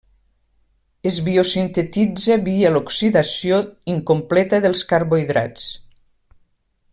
Es biosintetitza via l'oxidació incompleta dels carbohidrats.